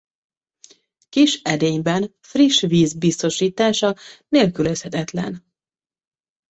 Kis edényben friss víz biztosítása nélkülözhetetlen.